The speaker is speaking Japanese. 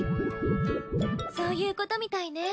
そういうことみたいね。